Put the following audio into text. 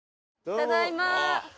ただいま。